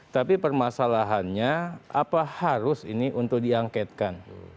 tapi permasalahannya apa harus ini untuk diangketkan